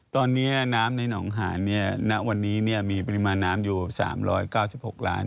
ตอนนี้น้ำในหนองหานณวันนี้มีปริมาณน้ำอยู่๓๙๖ล้าน